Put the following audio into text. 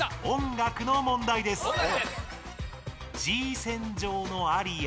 音楽の問題です。